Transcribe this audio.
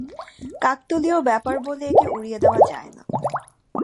কাকতালীয় ব্যাপার বলে একে উড়িয়ে দেওয়া যায় না।